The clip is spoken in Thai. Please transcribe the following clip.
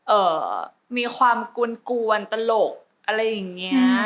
เอ่อมีความกวนกวนตลกอะไรอย่างเงี้ย